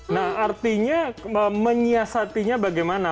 nah artinya menyiasatinya bagaimana